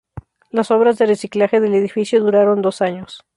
Las obras de "reciclaje" del edificio duraron dos años.